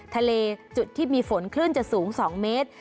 ทะเลจุดที่มีฝนคลื่นจะสูง๒เมตร